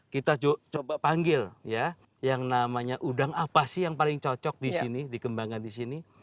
kita coba panggil ya yang namanya udang apa sih yang paling cocok di sini dikembangkan di sini